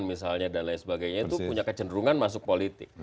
misalnya dan lain sebagainya itu punya kecenderungan masuk politik